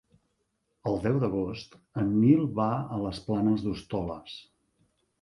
El deu d'agost en Nil va a les Planes d'Hostoles.